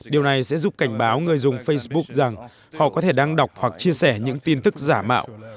điều này sẽ giúp cảnh báo người dùng facebook rằng họ có thể đăng đọc hoặc chia sẻ những tin tức giả mạo